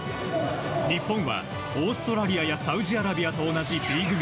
日本はオーストラリアやサウジアラビアと同じＢ組。